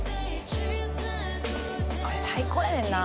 「これ最高やねんな」